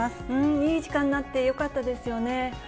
いい時間になってよかったですよね。